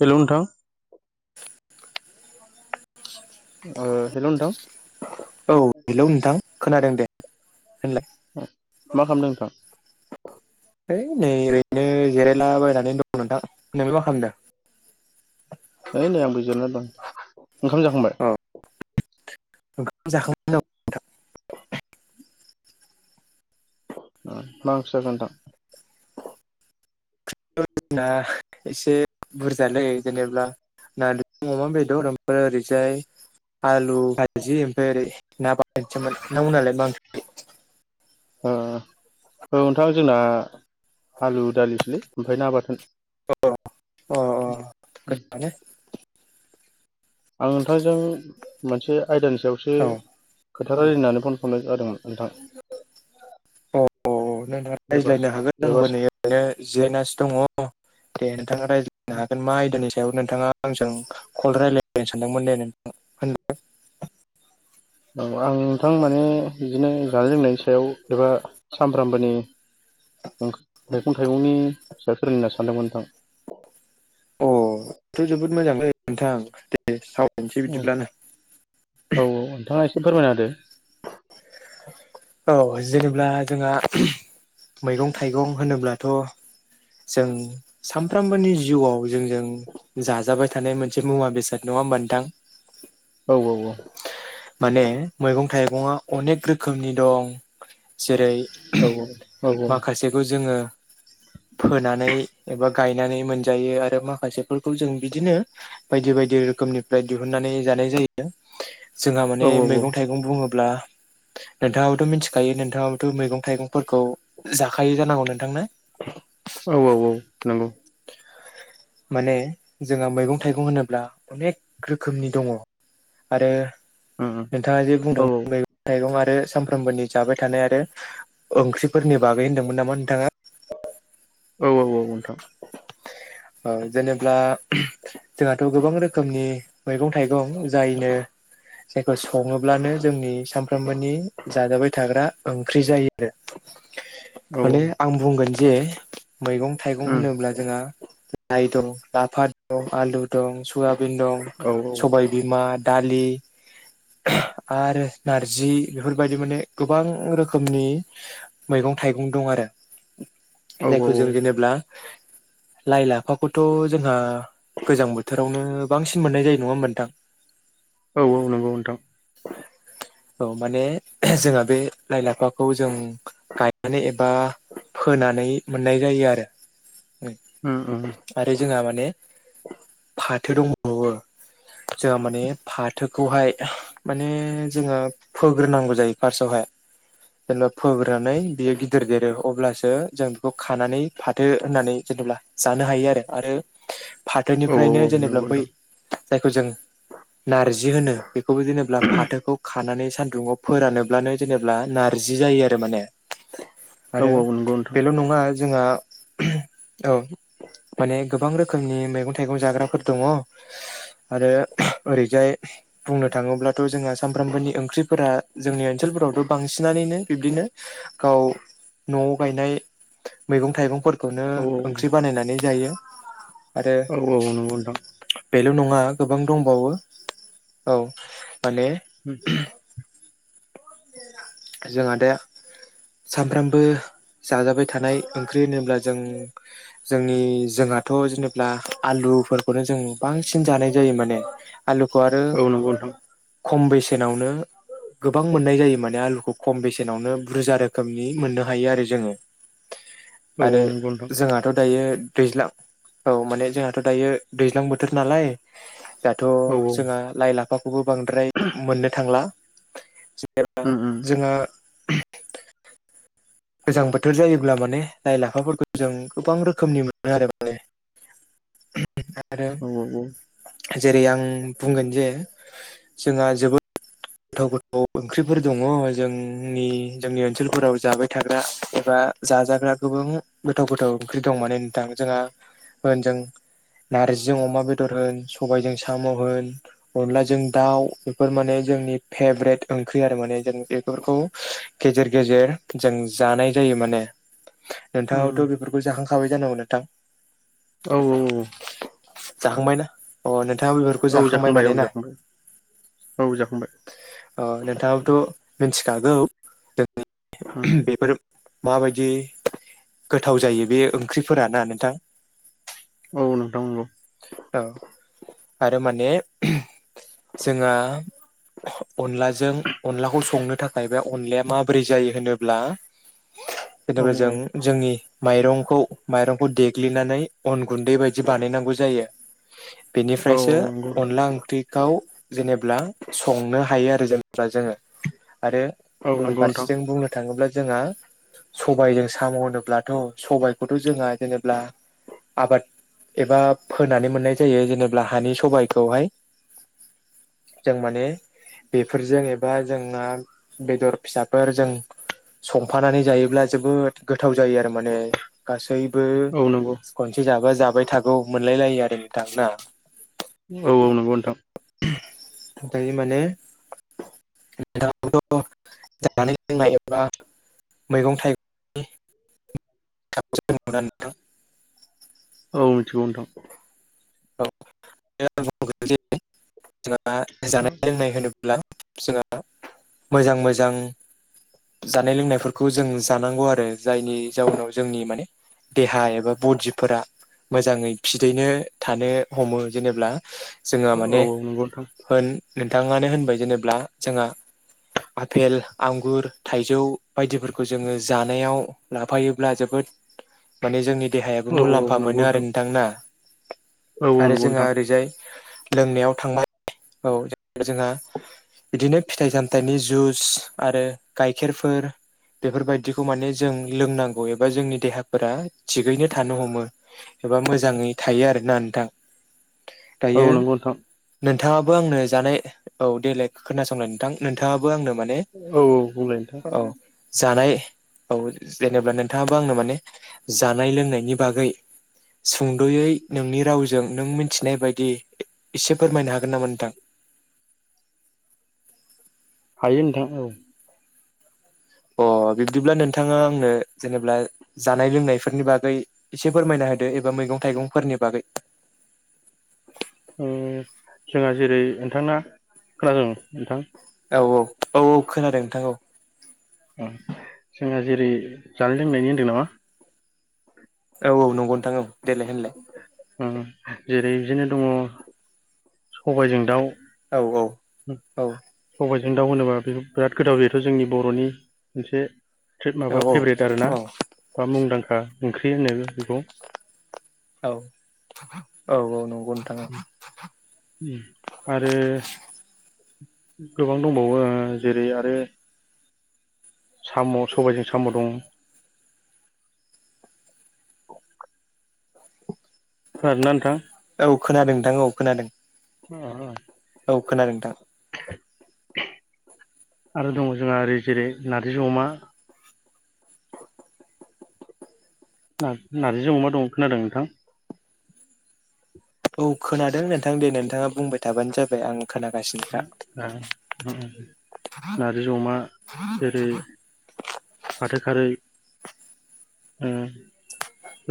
Hello नोंथां ओ hello नोंथां औ हेलौ नोंथां खोनादों दे । मा खालामदों नोंथां? है नै ओरैनो जिरायलाबायनानै दं नोंथां नों [unintelligible] मा खालामदों? ओय नै आंबो जिरायना दं ओंखाम जाखांबाय? अ ओंखाम जा [unintelligible] मा ओंख्रि जाखो नोंथां? [unintelligible] एसे बुरजालै जेनेब्ला नारजिजों अमा बेदर ओमफ्राय ओरैजाय आलु भाजि ओमफ्राय ओरै ना बाथोनसोमोन, नोंथां मोननालाय मा ओंख्रि? [inaudible] ओ औ नोंथां जोंना आलु दालिसलै ओमफ्राय ना बाथोन अ अ अ गोथावआनो आं नोंथांजों मोनसे आयदानि सायावसो औ खोथा रायलायनानै फन खालाम जादोंमोन नोंथां अ अ एबा रायज्लायनो हागोन एबा आंबो नैजिरायनासो दङ दे नोंथाङा राय [unintelligible] नो हागोन मा आयदानि सा बेयाव नोंथाङा आंजों कल रायलायायनो सानदोंमोन दे नोंथाङ होन औ आं नोंथां माने बिदिनो जानाय लोंनायनि सायाव एबा सामफ्रामबोनि ओ मैगं थाइगंनि फि फोरोंना सानदोंमोन नोंथां अथ' जोबोद मोजां नोंथां दे साव औ औ औ नोंथाङा एसे फोरमायना होदो औ जेनेबा जोंहा मैगं थाइगं होनोब्लाथ' जों सानफ्रामबोनि जिउआव जोंजों जाजाबाय थानाय मोनसे मुवा बेसाद नङा होमबा नोंथां औ औ [inaudible] माने मैगं थाइगङा अनेक रोखोमनि दं जेरै [inaudible] औ औ औ माखासेखौ जोङो फोनानै एबा गायनानै मोनजायो आरो माखासेफोरखौ जों बिदिनो बायदि बायदि दि रोखोमनिफ्राय दिहुननानै जानाय जायो जोंहा माने औ औ मैगं थाइगं बुङोब्ला नोंथाङाबोथ' मिथिखायो नोंथाङाबोथ' मैगं थाइगंफोरखौ जाखायो जानांगौ नोंथांनो [inaudible] औ औ औ नंगौ माने जोंहा मैगं थाइगं होनोब्ला अनेक रोखोमनि दङ आरो उम नोंथाङा जे औ बुंदों मैगं थाइगं आरो सानफ्रामबोनि जाबाय थानाय आरो ओंख्रिफोरनि बागै होनदोंमोन नामा नोंथाङा? औ औ औ नोंथां ओ जेनेब्ला जोंहाथ' गोबां रोखोमनि मैगं थाइगं जायनो जायखौ सङोब्लानो जोंनि सानफ्रोमबोनि जाजाबाय थाग्रा ओंख्रि जायो आरो औ माने आं बुंगोन जे मैगं थाइगं उम होनोब्ला जोंहा लाइ दं लाफा दं आलु दं सयाबिन दं औ सबायबिमा दालि आरो नारजि बेफोरबायदि माने गोबां रोखोमनि मैगं मैगं थाइगं दं आरो औ जायखौ जों जेनेब्ला लाइ लाफाखौथ' जोंहा गोजां बोथोरावनो बांसिन मोननाय जायो नङा ओमबा नोंथां? औ औ नंगौ नोंथां औ माने जोंहा बे लाइ लाफाखौ जों गायनानै ए बा फोनानै मोननाय जायो आरो उम उम आरो जोंहा मा माने फाथो दंबावो जोंहा माने फाथोखौहाय माने जोङो फोग्रोनांगौ जायो फार्स्टआवहाय जेनेबा फोग्रोनानै बियो गिदिर देरो अब्लासो जों बेखौ खानानै फाथो होननानै जेनेबा जानो हायो आरो आरो औ फाथोनिफ्रायनो औ जेनेबा नंगौ बै नोंथां जायखौ जों नारजि होनो बेखौबो दोनोब्ला फाथोखौ खानानै सान्दुंङाव फोरानोब्लानो जेनेबा नारजि जायो आरो माने औ आरो औ नंगौ नोंथां बेल' नङा जोंहा औ माने गोबां रोखोमनि मैगं थाइगं जाग्राफोर दङ आरो ओरैजाय बुंनोथाङोब्ला दाथ' जोङा सानफ्रामबोनि ओंख्रिफोरा जोंनि ओनसोलफोरावथ' बांसिननानैनो बिब्दिनो गाव न' गायनाय मैगं थाइगंफोरखौनो औ ओंख्रि बानायनानै जायो आरो औ औ नंगौ नोंथां। बेल' नङा गोबां दंबावो औ माने जोंहा दा सामफ्रामबो जाजाबाय थानाय ओंख्रि होनोब्ला जों जोंनि जोंहाद थ' जेनेाब्ला आलुफोरखौनो जों बांसिन जानाय जायो माने आलुखौ आरो उम औ नंगौ नोंथां खम बेसेनावनो गोबां मोननाय जायो माने आलु खम बेसेनावनो बुरजा रोखोमनि मोननो हायो आरो जोङो औ आरो औ नंगौ नोंथां जोंहाथ' दायो दैज्लां औ माने जोंहाथ' दायो दैज्लां बोथोर नालाय दाथ' औ उम औ उम औ जोंहा लाइ लाफाखौबो बांद्राय मोननो थांला जोंहा गोजां बोथोर जायोब्ला माने लाइ लाफाफोरखौ जों गोबां रोखोमनि मोनो आरो माने [inaudible] आरो जेरै आं बुंगोन जे जोंहा जोबोद गोथाव गोथाव ओंख्रिफोर दङ जोंनि जोंनि ओनसोलफोराव जाबाय थाग्रा एबा जाजाग्रा गोबां गोथाव गोथाव ओंख्रि दं माने नोंथां जोंहा होनजों नार्जिजों अमा बेदर होन सबायजों साम' होन अनलाजों दाउ बेफोर माने जोंनि फेभ्रेट ओंख्रि आरो माने जों बेफोरखौ गेजेर गेजेर जों जानाय जायो माने [inaudible] नोंथांङाबोथ' बेफोरखौ जाखांखाबाय जानांगौ नोंथां औ जाखांबाय ना अ नोंथाङा बेफोरखौ औ जाखांबाय औ माने ना जाखांबाय औ जाखांबाय नोंथाङाबथ' मिथिखागौ जों उम बेफोर माबायदि गोथाव जायो बे ओंख्रिफोर ना नोंथां औ नोंथां नंगौ औ आरो माने जोंहा अनलाजों अनलाखौ संनो थाखाय बे अनलाया माबोरै जायो होनोब्ला औ बेनिफ्राय जों जोंनि माइरंखौ माइरंखौ देग्लिनानै अन गुन्दै बायदि बानायनांगौ जायो औ बेनिफ्रायसो औ नंगौ नोंथां अनला ओंख्रिखौ जेनेब्ला संनो हायो आरो जोङो आरो औ गुबुन नंगौ नोंथां फारसेथि बुंनो थाङोब्ला जोंहा सबायजों साम' होनोब्लाथ' सबायखौथ' जोंहा जेनेबा आबाद एबा फोनानै मोननाय जायो जेनेबा हानि सबाइखौहाय जों माने बेफोरजों एबा जों जों बेदर फिसाफोर जों संफानानै जायोब्ला जोबोद गोथाव गोथाव जायो आरो माने गासैबो औ नंगौ खनसे जाबा जाबाय थागौ मोनलायलायो आरो नोंथां औ औ नंगौ नोंथां दायो माने जानाय लोंनाय एबा मैगं थाइगंनि [unintelligible] मोना नोंथां औ मिथिगौ नोंथां औ आं बुंगोन जोंहा जानाय लोंनाय होनोब्ला जोंहा मोजां मोजां जानाय लोंनायफोरखौ जों जानांगौ आरो जायनि जाउनाव जोंनि माने देहा एबा बडिफोरा मोजाङै फिदैनो थानो हमो जेनेब्ला जोङो औ औ माने नंगौ नोंथां होन नोंथांआनो होनबाय जेनेब्ला जोंहा आफेल आंगुर थाइजौ बायदिफोरखौ जोङो जानायाव लाफायोब्ला जोबोद माने जोंनि देहायाबो औ औ मुलाम्फा नंगौ मोनो आरो नोंथां नोंथांना औ आरो नंगौ जोंहा नोंथां ओरैजाय लोंनायाव थांबाय औ आरो जोंहा बिदिनो फिथाइ सामथाइनि जुस आरो गाइखेरफोर बेफोरबायदिखौ माने जों लोंनांगौ एबा जोंनि देहाफोरा थिगैनो थानो हमो एबा मोजाङै थायो आरो ना नोंथां औ दायो नंगौ नोंथां नोंथाङाबो आंनो जानाय औ देलाय खोनासंल नोंथां नोंथाङाबो आंनो माने औ बुंलाय नोंथां औ जानाय औ जेनेबा नों सुंदयै नोंनि रावजों नों मिथिनाय बायदि एसे फोरमायनो हागोन नामा नोंथां? हायो नोंथां औ। अ बिब्दिब्ला नोंथाङा आंनो जेनेबा जानाय लोंनायफोरनि बागै एसे फोरमायना होदो एबा मैगं थाइगंफोरनि बागै जोंहा जेरै नोंथांना खोनादों नोंथां? औ औ औ औ खोनादों नोंथां औ। जोंहा जेरै जानाय लोंनायनि होन्दों नामा? औ औ नंगौ नोंथां औ देलाय होनलाय ओ जेरै बिदिनो दङ सबायजों दाउ, औ औ औ जों दाव होनोबा बे बिराद गोदाव जायोथ जोंनि बरनि मोनसे फे औ माबा फेभ्रेट आर ना औ औ बा मुंदांखा ओंख्रि होनो बेखौ। औ औ औ नंगौ। नोंथां आरो गोबां दंबावो जेरै आरो साम सबायजों साम दं। [unintelligible] खोनादोंना औ खोनादों नोंथां औ खोनादों। [unintelligible] औ खोनादों नोंथां। आरो दङ जोंहा ओरै जेरै नारजि अमा ज नार्जिजों अमा दं खोनादों नोंथां? औ खोनादों नोंथां दे नोंथाङा बुंबाय थाबानो जाबाय आं खोनागासिनोखा नार्जि अमा जेरै फाथे खारै उम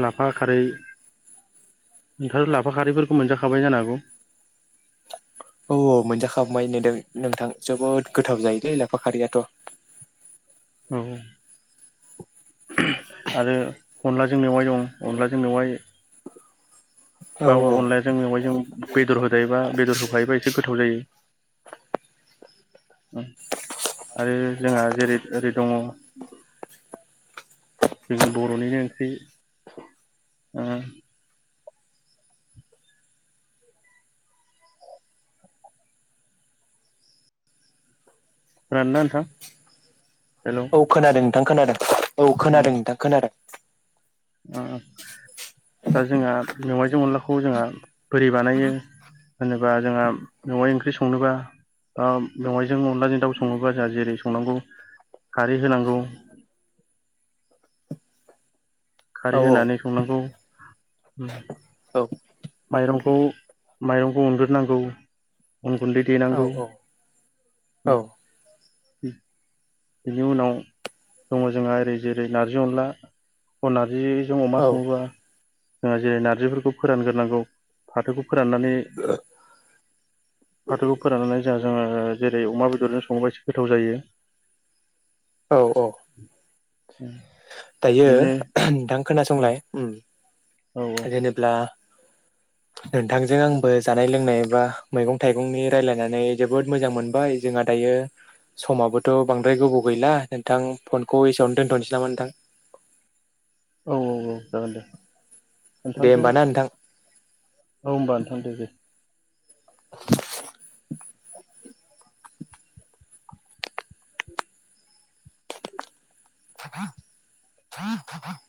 लाफा खारै ओंथांआ लाफाखारिफोरखौ मोनजाखाबाय जानो हागौ? औ औ मोनजाखांबबाय नदों नोंथां जोबोद गोथाव जायोलै लाफाखारियाथ। औ आरो अनलाजों मेवाय दं अनलाजों मेवाय औ बा औ अनलाया जों मेवाय जों बेदर होदायोबा बेदर होफायोबा एसे गोथाव जायो। उम आरो जोंहा जेरै ओरै दङ जोंनि बरनिनो ओंख्रि ओ राननाथां औ खोनादों नोंथां खोनादों औ ओ खोनादों नोंथां खोनादों। दा जोंहा मेाइजों अनलाखौ जोंहा बोरि बानायो? होनोबा जोंहा मेवाय ओंख्रि संनोबा दा मेवाइजों अनलाजों दाउ सङोबा जोंहा जेरै संनांगौ खारै होनांगौ [unintelligible] खारै औ होनानै संनांगौ औ माइरंखौ माइरंखौ उग्रोनांगौ उन गुन्दै देनांगौ। औ। बिनि उनाव दङ जोंहा ओरै जेरै नारजि अनला अ नार्जिजों अमा औ सङोबा जोंहा जेरै नारजिफोरखौ फोरानग्रोनांगौ फाथोखौ फोराननानै फाथोखौ फोराननानै जोंहा जोङो जेरै अमा बेदरजों सङोबा एसे गोथाव जायो। औ औ औ दायो नोंथां खोनासंलाय। उम। औ जेनेबला [unintelligible] नोंथांजों आंबो जानाय लोंनाय बा मैगं थाइगंनि रायलायनानै जोबोद मोजां मोनबाय जोंहा दायो समाबोथ' बांद्राय गोबाव गैला नोंथां फनखौ एसेयावनो दोनथ'नोसै नामा नोंथां। औ औ औ जागोन दे। दे नोंथांजों, होमबा ना नोंथां औ होमबा नोंथां दे दे। [unintelligible] [unintelligible]